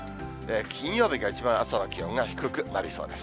金曜日が一番朝の気温が低くなりそうです。